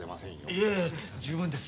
いえ十分です。